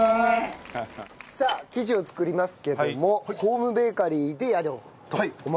さあ生地を作りますけどもホームベーカリーでやろうと思います。